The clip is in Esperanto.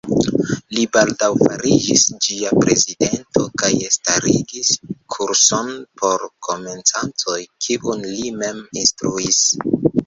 Li baldaŭ fariĝis ĝia prezidento kaj starigis kurson por komencantoj, kiun li mem instruis.